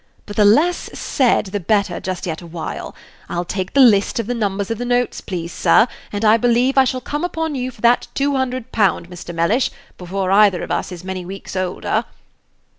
"But the less said the better just yet a while. I'll take the list of the numbers of the notes, please, sir; and I believe I shall come upon you for that two hundred pound, Mr. Mellish, before either of us is many weeks older."